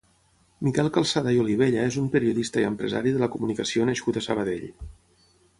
Miquel Calçada i Olivella és un periodista i empresari de la comunicació nascut a Sabadell.